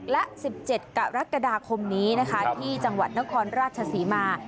๖แล้ว๑๗กรกฑนี้ที่จังหวัดราชสีมา